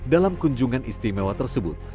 dalam kunjungan istimewa tersebut